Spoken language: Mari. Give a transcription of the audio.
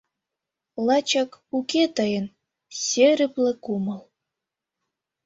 Лачак уке тыйын серыпле кумыл.